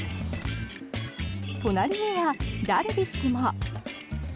隣にはダルビッシュも。